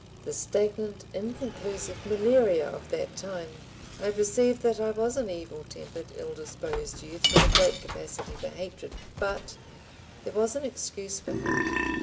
The stagnant inconclusive malaria of that time! I perceive that I was an evil tempered, ill disposed youth with a great capacity for hatred, but— There was an excuse for hate.